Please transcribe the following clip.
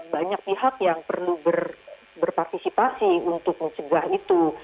banyak pihak yang perlu berpartisipasi untuk mencegah itu